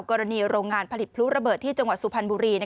กรณีโรงงานผลิตพลุระเบิดที่จังหวัดสุพรรณบุรี